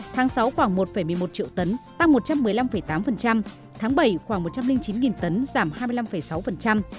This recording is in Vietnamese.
tháng sáu khoảng một một mươi một triệu tấn tăng một trăm một mươi năm tám tháng bảy khoảng một trăm linh chín nghìn tấn giảm hai mươi năm sáu